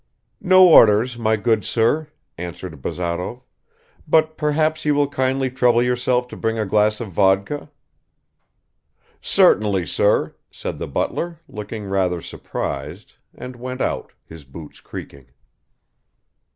"No orders, my good sir," answered Bazarov, "but perhaps you will kindly trouble yourself to bring a glass of vodka." "Certainly, sir," said the butler, looking rather surprised, and went out, his boots creaking.